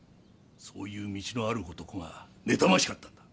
そういう道のある男が妬ましかったんだ。